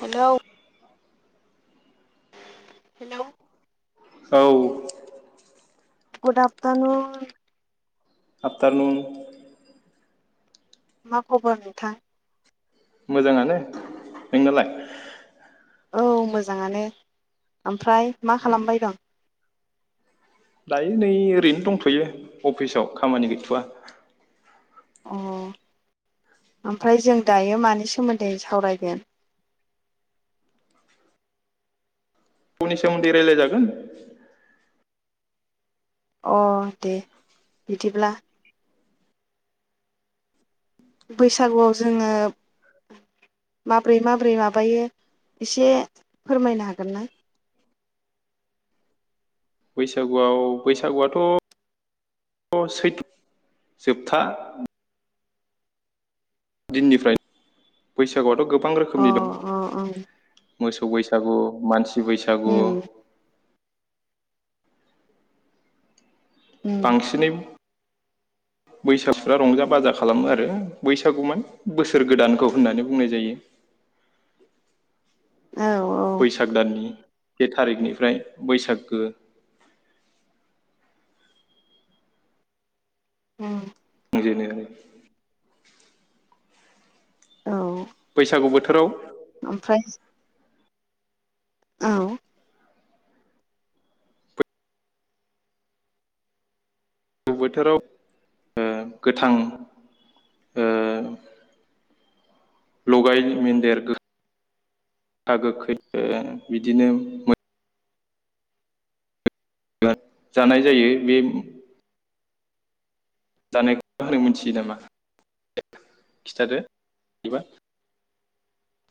Hello. Hello औ। Good afternoon. Afternoon मा खबर नोंथां। मोजांङानो नोंनालाय? औ मोजाङानो ओमफ्राय मा खालामबाय दं? ओय नै ओरैनो दंथयो अफिसाव खामानि गैथवा । अ ओमफ्राय जों दायो मानि सोमोन्दै सावरायगोन। पुमनि सोमोन्दै रायलायजागोन। अ दे बिदिब्ला बैसागुआव जोङो माब्रै माब्रै माबायो एसे फोरमायनो हागोन ना। बैसागुआव बैसागुआथ सैथ्र जोबथा दिननिफ्राय बैसागुआथ गो गोबां अ रोखोमनि दं। अ ओं मोसौ बैसागु मानसि थि बैसागु। उम उम बांसिनै बैसागुआ रंजा बाजा खालामो आरो बैसागु बोसोर गोदानखौ होननानै बुंनाय जायो । औ औ बैसाग दाननि बे थारिखनिफ्राय बैसागो उम। होजेनो औ। बैसागु बोथोराव ओमफ्राय औ गु बोथोराव ओ गोथां ओ लगाय मोन्देर [unintelligible] बिदिनो [unintelligible] जानाय जायो बे जानाय होनो मिथियो नामा [inaudible] खिथादो बिबा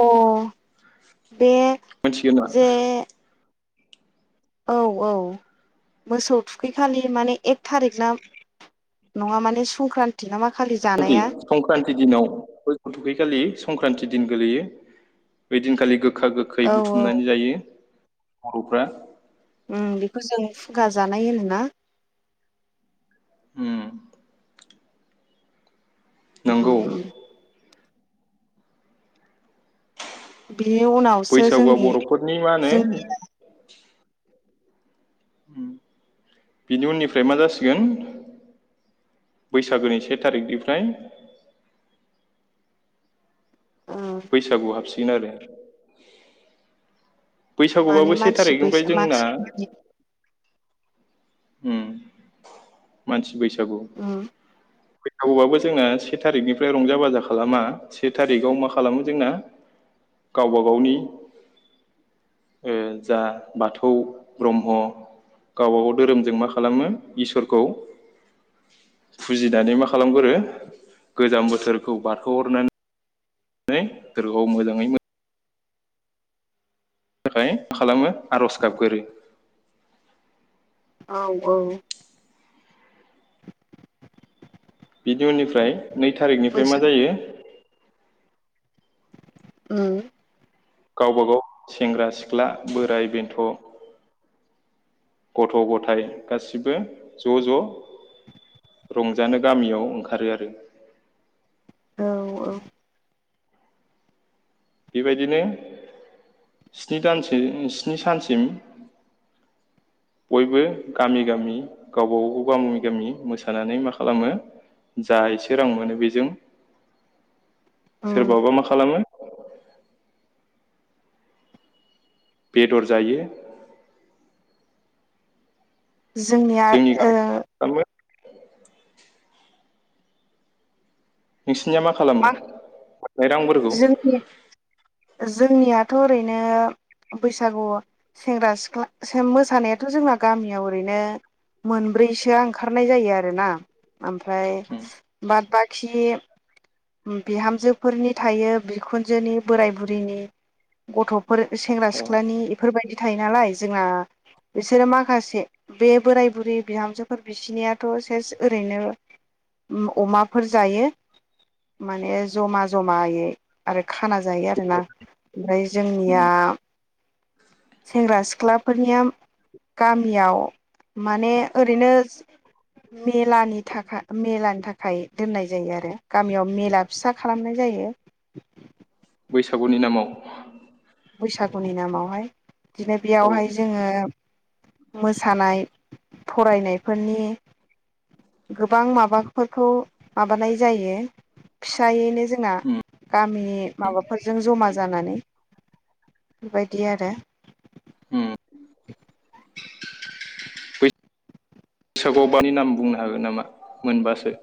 अ बे मिथिगोन नामा जे औ औ मोसौ थुखैखालि माने थारिख ना नङा माने संक्रान्ति ना मा खालि क्रानथि जानाया संक्रान्ति दिनाव बय थुखैखालि संक्रान्ति दिन गोलैयो बे दिनखालि गो गोखा गोखै औ औ बुथुमनानै जायो। बर'फोरा ओम बेखौ जों खुगा जानाय होनोना? होम ओम नंगौ ओम बि बेनि उनावसो बैसागुआ जोंनि बर'फोरनि मा होनो जोंनिनो बिनि उननिफ्राय मा जासिगोन बैसागोनि से थारिखनिफ्राय ओ बैसागु हाबसै फिन आरो माने बैसागुबाबो से मानसि थारिखनिफ्राय बैसा जोंना मानसिफोरनि उम मानसि बैसाग जागौ उम फैथावबाबो जोंना से थारिखनिफ्राय रंजा बाजा खालामा से थारिखआव मा खालामो जोंना गावबा गावनि ओ जा बाथौ ब्रह्म गावबा गाव धोरोमजों मा खालामो इसोरखौ बुजिनानै मा खालामगोरो गोजां बोथोरखौ बारखो हरनानै [unintelligible] मोजाङै मोजां बिनि थाखाय मा खालामो आरज गाबगोरो। औ औ। बिदि उननिफ्राय नै थारिखनिफ्राय मा बैसाग जायो? ओ गावबा गाव सेंग्रा सिख्ला बोराइ बेन्थ' गथ गथाइ गासिबो ज ज रंजानो गामियाव ओंखारो आरो। औ औ। बिबायदिनो स्नि दानसो स्नि सानसिम बयबो गामि गामि गावबा गाव गामि गामि मोसानानै मा खालामो जा एसे रां मोनो बेजों उम सोरबाबा मा खालामो बेदर जायो। जोंनिया जोंनि ओ गामियाव मा खालामो [unintelligible] निया मा खालामो बे रांफोरखौ? जोंनि जोंनियाथ' ओरैनो बैसागु सेंग्रा सिख्ला सो मोसानायाथ' जोंना गामियाव ओरैनो मोनब्रैसोआ ओंखारनाय जायो आरोना ओमफ्राय बाद बाखि ओम बिहामजोफोरनि थायो बिखुनजोनि बोराइ बुरैनि गथफोर सेंग्रा सिख्लानि इफोरबायदि थायो नालाय जोंना इसोरो माखासे बे बोराइ बुरि बिहामजोफोर बिसिनियाथ सेस ओरैनो ओ अमाफोर जायो। माने जमा जमायै आरो खाना जायो आरोना ओमफ्राय जोंनिया सेंग्रा सिख्लाफोरनिया गामियाव माने ओरैनो मेलानि थाखा मेलानि थाखाय दोननाय जायो आरो। गामियाव मेला फिसा खालामनाय जायो। बैसागुनि नामाव। बैसागुनि नामावहाय दिनो औ बेयावहाय जोङो मोसानाय फरायनायफोरनि गोबां माबाफोरखौ माबानाय जायो फिसायैनो जोंना उम गामिनि माबाफोरजों जमा जानानै। बिबायदि आरो। उम [unintelligible] नाम बुंनो हागोन नामा मोनबासो?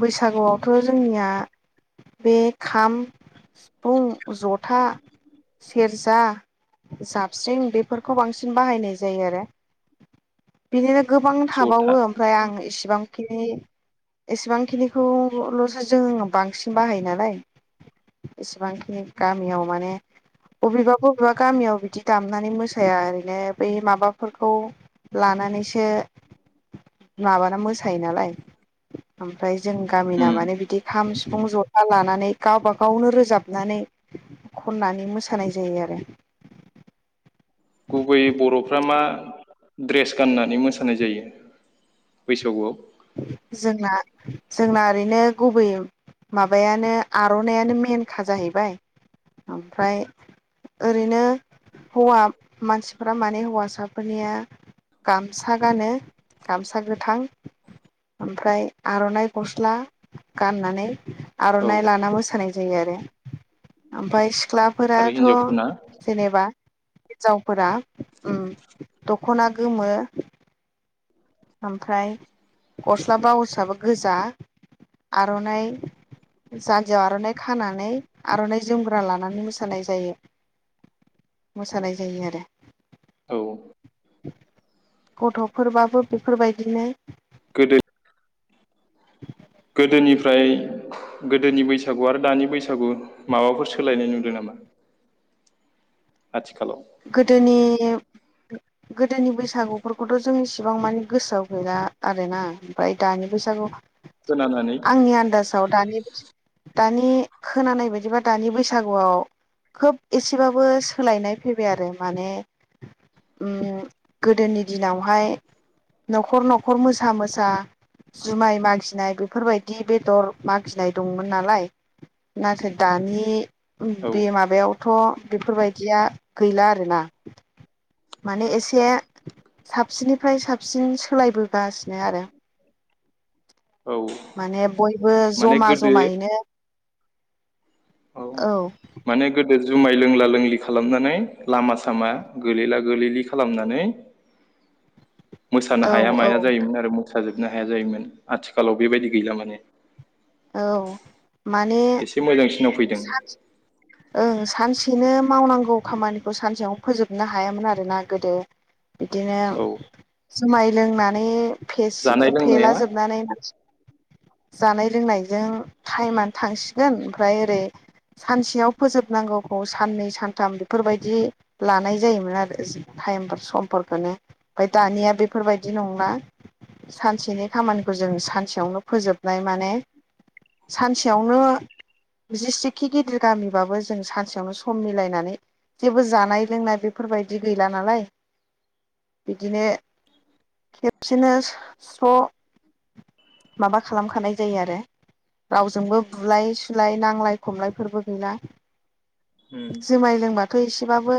बैसागुआवथ जोंनिया बे खाम सिफुं जथा सेरजा जाबस्रिं बेफोरखौ बांसिन बाहायनाय जायो आरो। [unintelligible] गोबां थाबावो जथा ओमफ्राय आं इसिबांखिनि एसेबांखिनिखौलसो जोंनाव बांसिन बाहायो नालाय एसेबांखिनि गामियाव माने अबेबाबो बा गामियाव बिदि दामनानै मोस साया ओरैनो बै माबाफोरखौ लानानैसो माबाना मोसायो नालाय। ओमफ्राय जों गामिना उम माने बिदि खाम सिफुं ज [unintelligible] लानानै गावबा गावनो रोजाबनानै खननानै मोसानाय जायो आरो। गुबै बर'फ्रा मा द्रेस गाननानै मोसानाय जायो बैसागुआव। जोंना जोंना ओरैनो गुबैयै माबायानो आरनायानो मेनखा जाहैबाय ओमफ्राय ओरैनो हौवा मानसिफ्रा माने हौवासाफोरनिया गामसा गानो गामसा गोथां ओमफ्राय आर'नाइ गस्ला गाननानै औ आरनाइ लाना मोसानाय जायो आरो ओमफाय आरो सिख्लाफोराथ' हिन्जावफोरना जेनेबा हिनजावफोरा दखना गोमो ओमफ्राय गस्ला बाउसआबो गोजा आरनाइ जानजियाव आरनाइ खानानै आरननाइ जोमग्रा लानानै मोसानाय जायो। मोसानाय जायो आरो। औ गथफोरबाबो बेफोरबायदिनो गोदो गोदोनिफ्राय गोदोनि बैसागु आरो दानि बैसागु माबाफोर सोलायनाय नुदों नामा आथिखालाव गोदोनि गोदोनि बैसागुफोरखौथ' जों इसेबां माने गोसोआव गैला आरोना ओमफ्राय दानि बैसागु खोनानानै आंनि आन्दाजाव दानि दानि खोनानाय बायदिबा दानि बैसागुआव खोब एसेबाबो सोलायनाय फैबाय आरो माने गोदोनि दिनावहाय नखर नखर मोसा मोसा जुमाय मागिनाय बेफोरबायदि बेदर मागिनाय दंमोन नालाय नाथाय दानि औ बे माबायावथ' बेफोरबायदिया गैला आरोना माने एसे साबसिननिफ्राय साबसिन सोलायबोगासिनो आरो औ माने बयबो माने जमा गोदो जमायैनो औ माने गोदो जुमाय लोंला लोंलि खालामनानै लामा सामा गोलैला गोलैलि खालामनानै मोसानो औ हाया औ माया जायोमोन आरो मो साजोबनो हाया जायोमोन आथिखालाव बेबायदि गैला माने औ एसे मोजांसिनाव फै साब बिदिनो मावनांगौ खामानिखौ सानसेयाव फोजोबनो हायामोन आरोना गोदो बिदिनो औ जुमाय लोंनानै फेसि जानाय फेला लोंनाया जोबनानै जानाय लोंनायजों टाइमानो थांसिगोन ओमफ्राय ओरै सानसेयाव फोजोबनांगौखौ साननै सानथाम बेफोरबायदि लानाय जायोमोन आरो [unintelligible] टाइम फोर सम फोर [unintelligible] ओमफाय दानिया बेफोरबायदि नंला सानसेनि खामानिखौ जों सानसेयावनो फोजोबनाय माने सानसेयावनो जिसेखि गिदिर गामि बाबो सानसेयावनो सम मिलायनानै जेबो जानाय लोंनाय बेफोरबायदि गैला नालाय बिने खेबसेनो स माबा खालामखानाय जायो आरो रावजोंबो बुलाय सुलाय नांलाय खमलायफोरबो गैला उम जुमाय लोंबाथ' एस एसे बाबो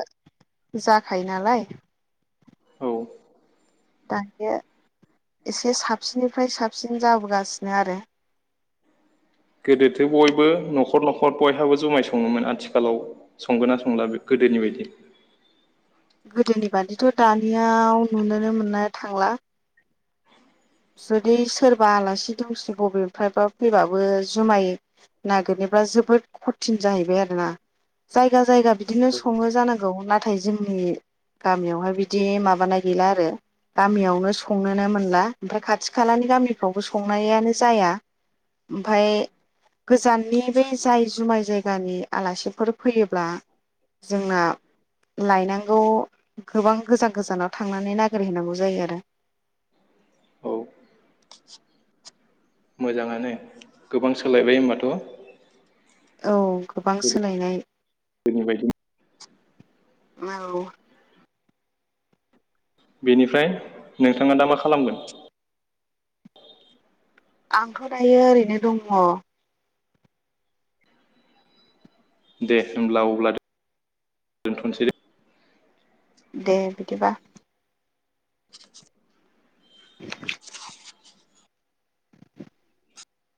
जाखायो नालाय औ दायो एसे साबसिननिफ्राय साबसिन जाबोगासिनो आरो गोदोथो बयबो नखर नखर बयहाबो जुमाय सङोमोन आथिखालाव संगोन ना संला गोदोनि बायदि गोदोनि बादिथ दानियाव नुनोनो मोननो थांला जुदि सोरबा आलासि दुमसि बबेनिफ्रायबा फैबाबो जुमाय नागिरनोब्ला जोबोद खथिन जाहैबाय आरोना जायगा जायगा बिदिनो संङो जानां नंगौ नाथाय जोंनि गामियावहाय बिदि माबानाय गैला आरो गामियावनो संनोनो मोनला ओमफ्राय खाथि खालानि गामिफ्रावबो संनायानो जाया ओमफाय गोजाननि बे जाय जुमाय जायगानि आलासिफोर फैयोब्ला जोंना लायनांगौ गोबां गोजान गोजानाव थांनानै नागिरहैनांगौ जायो आरो औ मोजाङानो गोबां सोलायबाय होनोमबाथ' औ गोबां सोलायनाय दिननिबायदि [unintelligible] बेनिफ्राय नोंथाङा दा मा खालामगोन आंथ दायो ओरैनो दङ दे होमब्ला अब्ला दोनथसै दे दे बिदिबा [unintelligible]